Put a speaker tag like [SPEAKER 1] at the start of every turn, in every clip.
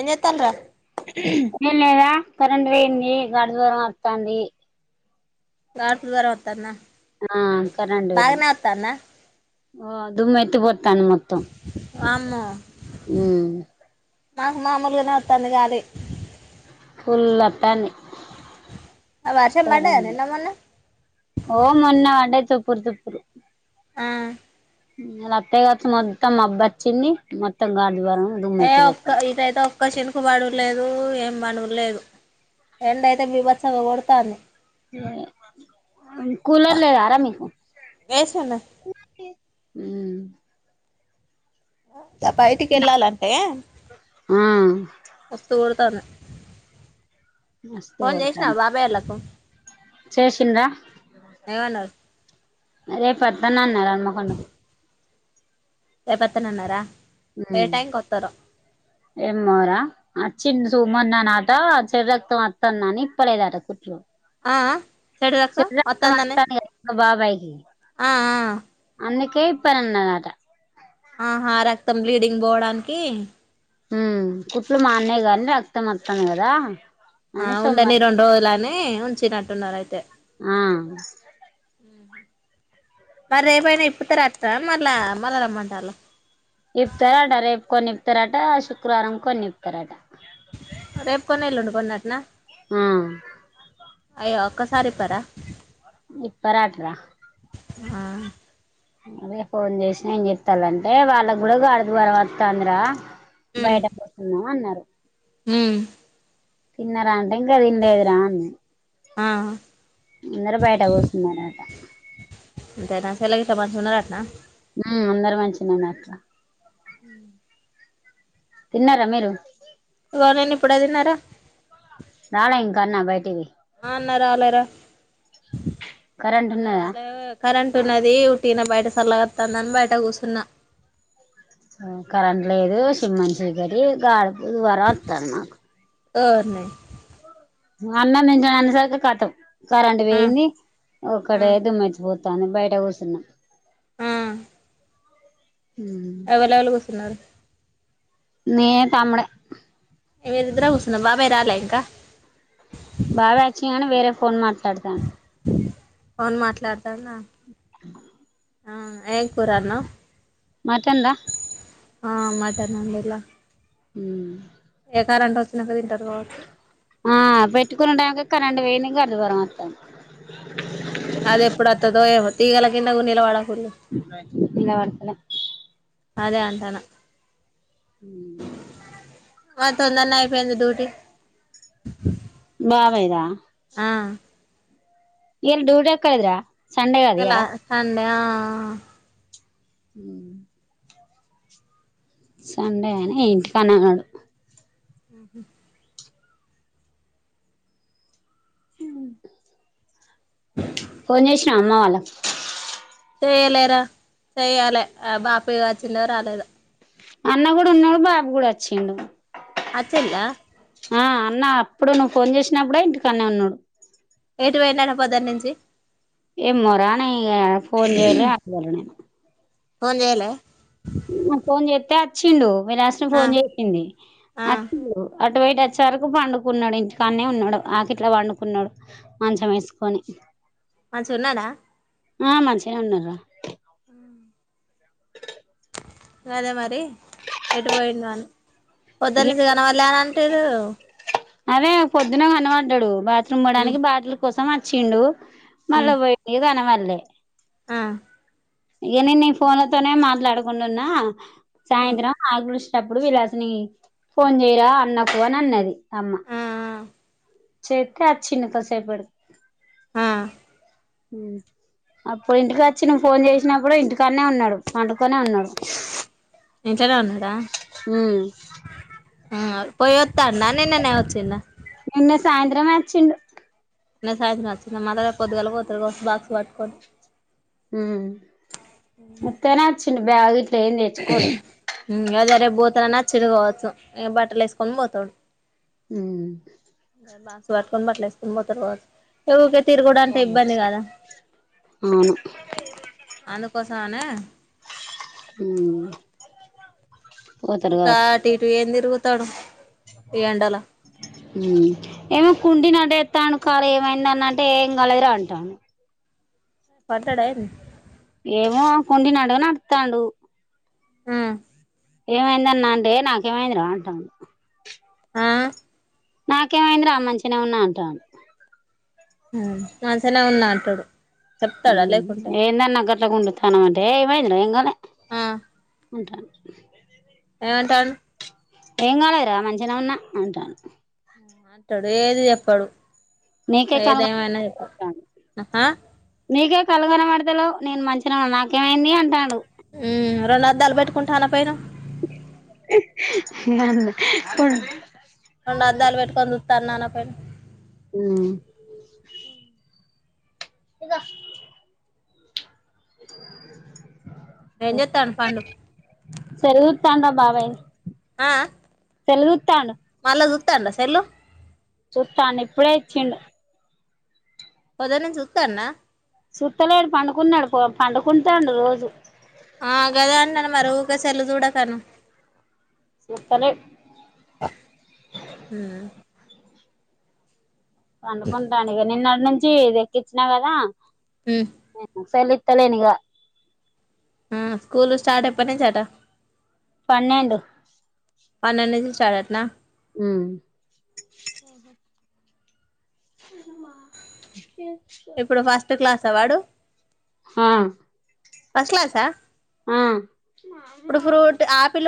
[SPEAKER 1] ఏం జే తండ్ర
[SPEAKER 2] ఈళ్లేదా కరెంట్ బొయ్యింది గగాడ్ ద్వర ఆతాంది
[SPEAKER 1] గడు ప దారా వతారు నా
[SPEAKER 2] ఆ కరెంట్ బోయింది ఒ దుమ్ ఎత్తి పోత్తాంది మొత్తం
[SPEAKER 1] వామ్మో
[SPEAKER 2] ఉమ్
[SPEAKER 1] నాకు మాములుగా విన చలిగాలి
[SPEAKER 2] ఫుల్లతని
[SPEAKER 1] ఆ వర్షం
[SPEAKER 2] తర
[SPEAKER 1] పడ్డదా నిన్న మొన్న
[SPEAKER 2] ఓ మన్న అంటే తప్పురు దుప్పురు
[SPEAKER 1] ఆ
[SPEAKER 2] ఆళ్ల అత్తయ్య కాచ్చ మొత్తం అబ్బా వచ్చింది మొత్తం గాజువర
[SPEAKER 1] ఏ ఒక్క ఇదితో ఒక్క చినుకుబడులేదు ఏం బనులేదు ఎండ అయితే బిబత్సంగా కొడతాంది
[SPEAKER 2] కూూలర్ లేదారా మీకు
[SPEAKER 1] ఏసీ ఉన్నది
[SPEAKER 2] ఉ
[SPEAKER 1] ఆ త పైటికి యెళ్ళాలంటే
[SPEAKER 2] ఆ
[SPEAKER 1] వస్తుఊ త్తను
[SPEAKER 2] మస్తు
[SPEAKER 1] ఫోన్ చేయిసివ
[SPEAKER 2] కొడతాంది
[SPEAKER 1] బాబాయోల్లకు
[SPEAKER 2] చేసిండ్రా
[SPEAKER 1] ఎవన్నారు
[SPEAKER 2] అదే పతనా నమ కొం
[SPEAKER 1] రేపత్తనన్నార
[SPEAKER 2] ఏమోరా చిన్న సుమ్మున్నానుట చెర రక్తం అత్తన్నాని ఇప్పలేదుాట కుట్లు
[SPEAKER 1] ఆ ఆ చెడు రక్తం వత్తాందని
[SPEAKER 2] మా బాబాయి [inaudible]
[SPEAKER 1] ఆ ఆ
[SPEAKER 2] అందుకే ఇప్పనన్నారట
[SPEAKER 1] ఆహా రక్తం బ్లీడింగ్ పోడానికి
[SPEAKER 2] హ్మ్ కుట్లు మాన్నయిగాని రక్తం మొత్తాంది కదా
[SPEAKER 1] ఆ
[SPEAKER 2] అని
[SPEAKER 1] ఉండని
[SPEAKER 2] సొమ్మరి
[SPEAKER 1] రెండు రోజులని ఉన్ వచ్చినట్టున్నారు అయితే
[SPEAKER 2] ఆ
[SPEAKER 1] మరి రేపైన ఇప్పుతారంట మళ్ళా మళ్ళ రమ్మంటలు
[SPEAKER 2] ఇప్తారంట రేపు కొని ఇప్పుతారంట శుక్రవారం కొని ఇప్పుతారంట
[SPEAKER 1] రేపు కొన్ని ఎల్లుండి కొన్ని అటనా
[SPEAKER 2] ఆ
[SPEAKER 1] అయ్యో ఒక్క సారి ఇప్పర
[SPEAKER 2] ఇప్పరట్రా
[SPEAKER 1] ఆ
[SPEAKER 2] అదే ఫోన్ చేసిన ఏం చెప్తాలంటే వాళ్ళకి కూడా [unintelligible] వస్త అందరా బయట పోతున్నాం అన్నారు
[SPEAKER 1] హ్మ్
[SPEAKER 2] తిన్నారా ఇంకా తినలేదురాన్న
[SPEAKER 1] ఆ
[SPEAKER 2] అందరూ బయట కూసున్నరన్నమాట
[SPEAKER 1] అంటే నా చెల్లె [unintelligible] మంచిగా ఉంటదంటనా
[SPEAKER 2] హ్మ్ అందరు మంచిగున్నారు అట్లా తిన్నారా మీరు
[SPEAKER 1] ఇగో నేను ఇప్పుడే తిన్నారా
[SPEAKER 2] రాలే ఇంకా అన్న బయటికి పోయి
[SPEAKER 1] [unintelligible]
[SPEAKER 2] ఉన్నదా
[SPEAKER 1] అన్నరాలే కరెంట్ ఉన్నది టీన బయట సల్లగోత్తాందని బయట కూసున్న
[SPEAKER 2] కరెంట్ లేదు సిమ్మ చీకటి గాలి దుబారా వత్తాంది మాకు
[SPEAKER 1] ఓర్ నీ
[SPEAKER 2] అన్నం [unintelligible] అనేసరికి కథవ్ కరెంట్
[SPEAKER 1] ఆ
[SPEAKER 2] వేయింది
[SPEAKER 1] ఆ
[SPEAKER 2] ఒక్కటే దుమితిపో [unintelligible] బయట కూసున్న
[SPEAKER 1] ఆ
[SPEAKER 2] ఉమ్
[SPEAKER 1] ఎవల ఎవలు కూర్చన్నారు
[SPEAKER 2] నే తముడే
[SPEAKER 1] ఏ మీ ఇద్దరా కూసున్నారు బాబాయ్ రాల ఇంకా
[SPEAKER 2] బాబాయ్ వచ్చి కాని వేరే ఫోన్ మాట్లాడతాను
[SPEAKER 1] అవును మాట్లాడు [unintelligible] ఆ ఏల్పోరాన్న
[SPEAKER 2] మటందా
[SPEAKER 1] ఆ మటన్ అందడిళ్ళా
[SPEAKER 2] ఉమ్
[SPEAKER 1] ఏ కారంట అచ్చినంకా తింట రోజు
[SPEAKER 2] ఆ పెట్టుకున్న టైంకి కరెంట్ వోయింద్గ్ గంత దూరం అత్త
[SPEAKER 1] అద్ ఎప్పుడ్ అత్తతో ఏమో తీగల కిందకు నిలవాడకూర్రి
[SPEAKER 2] నిలబడతలే
[SPEAKER 1] అదే అంటనా
[SPEAKER 2] మ్
[SPEAKER 1] మద్ తొందర్నే అయిపోయింది డ్యూటి
[SPEAKER 2] బావైరా
[SPEAKER 1] ఆ
[SPEAKER 2] యేల్ డ్యూట్ ఎక్కడ్దీరా సండే గద్ ఇయల
[SPEAKER 1] బ్యా
[SPEAKER 2] మ్ సండే అని ఇంటికనె ఉనడు
[SPEAKER 1] మ్హుమ్
[SPEAKER 2] మ్ కొనేసిన అమ్మ
[SPEAKER 1] చెయలేరా చెయ్యాలి ఆ బాపయ్య గచ్చిండో రాలేదో
[SPEAKER 2] అన్న కూడా ఉన్నాడు బాబు కూడా వచ్చిండు
[SPEAKER 1] అచ్చలా
[SPEAKER 2] ఆ అన్న అప్పుడు నువ్వు ఫోన్ చేసినప్పుడే ఇంటికాన్న ఉన్నాడు
[SPEAKER 1] ఎటుపోయినారు పొద్దునుంచి
[SPEAKER 2] ఏ మొరాని ఫోన్ చేయలే అాల నే
[SPEAKER 1] ఫోన్ చేయలే
[SPEAKER 2] ఫోన్ చేత్తే అచ్చిండు విళష్ట్రం
[SPEAKER 1] ఆ
[SPEAKER 2] ఫోన్ చేసింది
[SPEAKER 1] ఆ
[SPEAKER 2] అచ్చిండు అటు బయట వచ్చే వరకు పండుకున్నాడు ఇంటికానే ఉన్నాడు ఆకిట్లా పండుకున్నాడు మంచం వేసుకొని
[SPEAKER 1] మంచి గున్నాడా
[SPEAKER 2] ఆ మంచిగానే ఉన్నార్రా
[SPEAKER 1] అదే మరి ఎటుపోయిందో అని
[SPEAKER 2] ఇగ
[SPEAKER 1] పొద్దునుంచి కనపల్ల అని అఅంటుర్రు
[SPEAKER 2] అదే పొద్దున కనపడ్డాడు బా
[SPEAKER 1] ఉమ్
[SPEAKER 2] తృమ్మడానికి బాటలు కోసం వచ్చిండు మళ్ళ
[SPEAKER 1] ఉమ్
[SPEAKER 2] పోయి గనబడ్ల లే
[SPEAKER 1] ఆ
[SPEAKER 2] ఇ న నీ ఫోన్లతోనే మాట్లాడుకుంటున్నా. సాయంత్రం ఆ గుడిష్ తప్పుడు విలాసిని ఫోన్ చేయరా అన్నకు అని అన్నది అమ్మ
[SPEAKER 1] అ
[SPEAKER 2] చెప్పే అచ్చిన కాసేపడు
[SPEAKER 1] ఆ
[SPEAKER 2] హు అప్పుడు ఇంటి క అచ్చినం ఫోన్ చేస్ అయినా కూడ ఇంటికాడనె ఉన్నాడు పండు క్కనే ఉన్నాడు
[SPEAKER 1] ఇంట్లోనే ఉన్నాడా
[SPEAKER 2] ఉమ్
[SPEAKER 1] పొయ్యోత్తండ నిన్ననె వచ్చిండ.
[SPEAKER 2] నిన్న సాయంత్రమె వచ్చిండు.
[SPEAKER 1] నిన్న సాయంత్రం వచ్చిండ మల్ల రేప్ పొద్దుగాల పోతాడు పొ బాక్స్ పట్టుకొని.
[SPEAKER 2] ఉమ్ ఉత్తినె వచ్ చిన బ్యాగిచ్
[SPEAKER 1] ఉం అదే రేప్ బోతనా తిరుగుబోతు ఈ బట్టలు ఏసుకొని పోతాడు
[SPEAKER 2] ఉం
[SPEAKER 1] బాక్స్ పట్టుకొని బట్టలు వేసుకొని పోతాడు కావచ్చు. [inaudible] తిరుగుడంటే ఇబ్బంది
[SPEAKER 2] కావచ్చు
[SPEAKER 1] గాద.
[SPEAKER 2] అవును
[SPEAKER 1] అందుకోసం అనే
[SPEAKER 2] ఉమ్
[SPEAKER 1] ఊక అటు ఇటు ఏం తిరుగుత్ త్తడు
[SPEAKER 2] హమ్ ఏమ కుండి నట తాను కాలు ఏమైంది అన్న అంటే ఏం గాలేదురా అంటాండు
[SPEAKER 1] పడ్డాడ ఏంది
[SPEAKER 2] ఏమో కుంటినటుగ నడుతాండు.
[SPEAKER 1] ఉం
[SPEAKER 2] ఏమైందన్నా అంటె నాకేమైంది రా అంటాండు
[SPEAKER 1] హా
[SPEAKER 2] నాకేమైంది రా మంచిగనె ఉన్నా అంటాండు.
[SPEAKER 1] హామ్ మంచిగనే ఉన్నా అంటాడు చెప్తాడా
[SPEAKER 2] హుం
[SPEAKER 1] లేకుంటే
[SPEAKER 2] ఏందన్నా గట్ల గుండు తనవంటే ఏమైంది రా ఏం గాలె
[SPEAKER 1] ఆ
[SPEAKER 2] అంటాండు [inaudible]
[SPEAKER 1] ఏమంటాండు
[SPEAKER 2] ఏం కాలేద్ రా మంచిగనే ఉన్న అంటాండు.
[SPEAKER 1] అంటాడు ఏది చెప్పడు
[SPEAKER 2] నీకే కళ్ళు
[SPEAKER 1] ఏదేమైనా చెప్పు
[SPEAKER 2] కనబడతలేవు
[SPEAKER 1] అహా
[SPEAKER 2] నీకే కళ్ళు కనబడుతలేవు. నేన్ మంచిగనే ఉన్నా నాకేమైంది అంటాండు.
[SPEAKER 1] హ్మ్ రొండ్ అద్దాలు పెట్టుకుంటాన పోయిరా
[SPEAKER 2] హ్మ్ బాగుందిలే పొండ్
[SPEAKER 1] రొండ్ అద్దాలు పెట్టుకొని చూడ్ తన్ అనకపోయినా
[SPEAKER 2] ఉమ్ ఇగో
[SPEAKER 1] ఏం జెస్తాండు పండు
[SPEAKER 2] సెల్ చూత్తండా బాబాయ్
[SPEAKER 1] ఆ
[SPEAKER 2] సెల్లు చూత్తాండు.
[SPEAKER 1] మళ్ళా చూత్తాండా సెల్లు
[SPEAKER 2] చూస్తానే. ఇప్పుడే ఇచ్చిండు
[SPEAKER 1] పొదనుంచి చూత్తాన్నా
[SPEAKER 2] చుట్టలేడు పండుకున్న్యాడు. పోమ్ పండుకుంటే ఉండు రోజు
[SPEAKER 1] ఆ గదే అన్న నెంబరు ఉకే సెల్లు చూడకను
[SPEAKER 2] చూత్తలేడు
[SPEAKER 1] ఉహు
[SPEAKER 2] పండుకుంటాండు. ఇగ నిన్న ఈనంచి ఇద్ ఎక్కించినా కదా ఆ
[SPEAKER 1] ఉమ్
[SPEAKER 2] హా సెల్ ఇ తెలెనిగా
[SPEAKER 1] ఆ స్కూల్లు స్టార్ట్ ఎప్పటినుంచ్ అట
[SPEAKER 2] పన్నెండు.
[SPEAKER 1] పన్నెండు నుంచి స్టార్ట్ అటన
[SPEAKER 2] హు
[SPEAKER 1] ఆహా
[SPEAKER 2] [unintelligible] ఏ
[SPEAKER 1] ఇప్పుడు ఫస్ట్ క్లాస వాడు
[SPEAKER 2] ఆ
[SPEAKER 1] ఫస్ట్ క్లాస్ ఆ
[SPEAKER 2] ఆ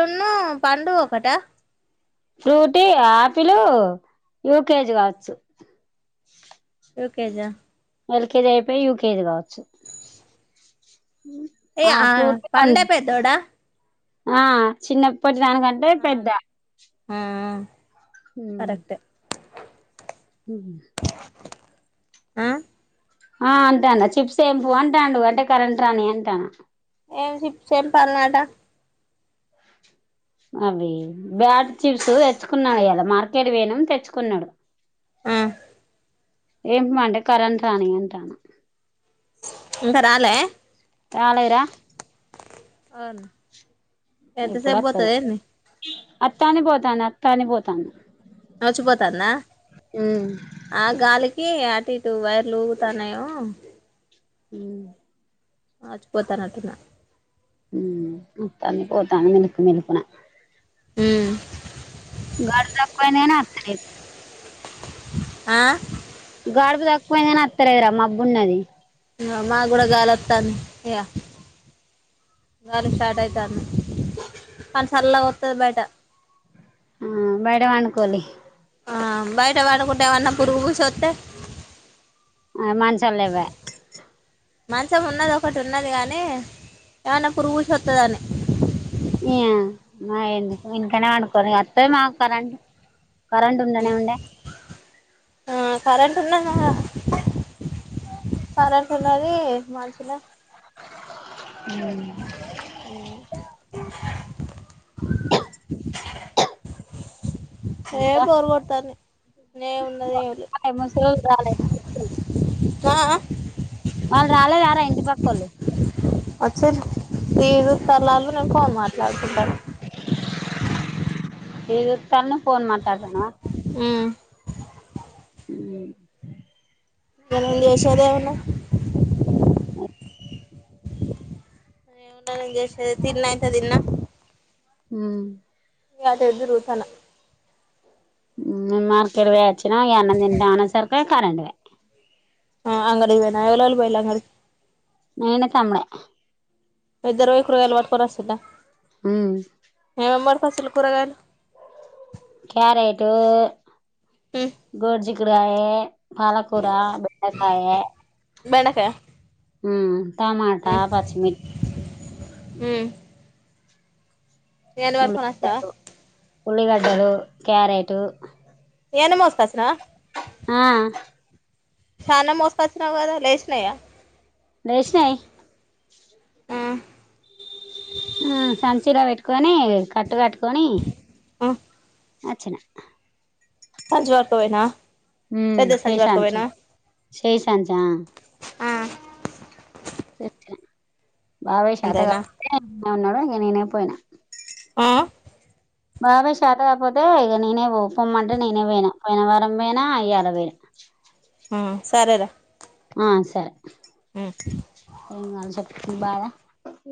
[SPEAKER 1] ఇన్ను పండు ఒకట.
[SPEAKER 2] Frutti apple U K G కావచ్చు.
[SPEAKER 1] యూ కే జా
[SPEAKER 2] ఎల్ కే జీ అయిపోయి యూ కే జీ కావచ్చు.
[SPEAKER 1] ఏ
[SPEAKER 2] ఆ
[SPEAKER 1] ఆఆ
[SPEAKER 2] ఫ్రూటీ
[SPEAKER 1] పండే
[SPEAKER 2] రెండు
[SPEAKER 1] పేద్దోడా
[SPEAKER 2] ఆ చిన్నప్ పొట్టి దానికంటే పెద్ద
[SPEAKER 1] అవును ఆ హ
[SPEAKER 2] హ్మ్ హు హు
[SPEAKER 1] ఆ
[SPEAKER 2] ఆ అంటానా చిప్స్ ఎంపు అంటాండు అంటే కరెంట్ రాని అంటానా
[SPEAKER 1] ఏం చిప్స్ ఎంపల్నాట
[SPEAKER 2] అవి బ్యాట్ చిప్స్ తెచ్చుకున్నాడు ఇయల మార్కెట్ వోయినం తెచ్చుకున్నాడు
[SPEAKER 1] ఆ
[SPEAKER 2] ఎంపమంటే కరెంట్ రాని అంటానా
[SPEAKER 1] ఇంక రాలే ఆన్ ఎంత సేపు పోతది ఏంది
[SPEAKER 2] అత్తందీ పోతందీ అత్తందీ పోతాందీ
[SPEAKER 1] నచ్చిపోతాంద ఆ గాలికి అటు టు వైర్లుగుతాన్నయో
[SPEAKER 2] హు
[SPEAKER 1] మజపోతనటున
[SPEAKER 2] ఉ అతంది పోతంది మిల్కుమిల్కున
[SPEAKER 1] హు
[SPEAKER 2] గడుపు తక్కువయింది కానీ అత్తలేదు
[SPEAKER 1] ఆ
[SPEAKER 2] గాడుపు తక్కువయిందని అత్తలేదూ రా మబ్బున్నది
[SPEAKER 1] మాక్కూడా గాలి ఓత్తందీ ఇగ గాలి స్టార్ట్ అయితందీ కని సళ్ళగోత్తది బయట
[SPEAKER 2] ఆ వండుకొల్లి
[SPEAKER 1] ఆ బయట పడుకుంటే ఏమన్నా పురుగు పూషీ ఒత్తే
[SPEAKER 2] మంచం లేవయ్యా
[SPEAKER 1] మంచం ఉన్నది ఒకటి ఉన్నది గనీ ఏమన్నా పురుగుపుషి ఒత్తది అని
[SPEAKER 2] ఇగ ఎందుకు ఇంట్లనే వండుకొల్లి అత్తది మాక్ కరెంట్ కరెంట్ ఉండనే ఉండే
[SPEAKER 1] టున్నాదా కరెంట్ ఉన్నది మంచిన
[SPEAKER 2] అ
[SPEAKER 1] [inaudible] ఏ
[SPEAKER 2] ఇంకా
[SPEAKER 1] బోర్ కొడుతాంది ఏమున్నది ఏంలే
[SPEAKER 2] ముసలోళ్ళు రాలే
[SPEAKER 1] ఆ ఆ
[SPEAKER 2] వాళ్ళు రాలేదారా ఇంటి పక్కొల్లూ
[SPEAKER 1] వచ్చిర్రు టీవీ చుతల్లూఆళ్ళు నేన్ ఫోన్ మాట్లా ట్లాడుకుంటానా
[SPEAKER 2] టీవీ చు తనవ్ ఫోన్ మాట్లాడుతున్నావా
[SPEAKER 1] [inaudible]
[SPEAKER 2] అ
[SPEAKER 1] ఇగ నేను చేసేదేమున్నది
[SPEAKER 2] అఓ
[SPEAKER 1] ఎం ఉండది చేసినది తిన్నంత తిన్న
[SPEAKER 2] హ్మ్
[SPEAKER 1] ఏందో తిరుగుతన్న
[SPEAKER 2] మ్మ్ మేమ్ మార్కెట్ కి పోయోచ్చినా ఇగ అన్నం తింటాన్నసరికి కరెంట పాయ్
[SPEAKER 1] ఆ అంగడికి పోయిన ఎవలెవలు పోయిలా అంగడికి
[SPEAKER 2] నేన తమ్ముడే
[SPEAKER 1] ఇద్దరుకు రొయ్యలు పట్టుకుని వస్తున్న
[SPEAKER 2] మ్మ్
[SPEAKER 1] ఎంమరి ఫసులు కూరగాయలు
[SPEAKER 2] క్యారేటు
[SPEAKER 1] ఉమ్
[SPEAKER 2] గోర్జిగు అ పాలకూర బెండకాయ
[SPEAKER 1] బెండకాయ
[SPEAKER 2] హ్మ్ టమాటా పచ్చిమిర్
[SPEAKER 1] హ్మ్ ఎని పటుకుని వచ్చినావా
[SPEAKER 2] ఉల్లిగడ్డలు ఉల్లిగడ్డలు క్యారెటు
[SPEAKER 1] ఏని మోసుకొసినవ
[SPEAKER 2] ఆ
[SPEAKER 1] చాన మోసుకొచ్చినావ్ కదా లేచినాయా
[SPEAKER 2] దేషినాయ్
[SPEAKER 1] ఆ
[SPEAKER 2] హ్మ్ సంచిలో పెట్టుకొని కట్టు కట్టుకొని
[SPEAKER 1] ఆ
[SPEAKER 2] అచ్చిన
[SPEAKER 1] సంచి పట్టుకపోయినా
[SPEAKER 2] హ్మ్
[SPEAKER 1] పెద్ద సంచి
[SPEAKER 2] చేసంచి
[SPEAKER 1] పట్టుకపోయినా
[SPEAKER 2] చేసంచా సతేన బాబాయ్
[SPEAKER 1] అంతేనా
[SPEAKER 2] శేతకాదు లే అన్నాడు ఇంక నేనే పోయినా
[SPEAKER 1] ఆ
[SPEAKER 2] బాబాయ్ శాత కాకపోతే ఇక నేనే పో పొమ్మంటే నేనే పోయినా పోయిన వారం పోయినా అయ్యలా పోయినా
[SPEAKER 1] మ్మ్ సరేరా
[SPEAKER 2] ఆ సరే ఏం కావాలి చెప్పు నీ బాధ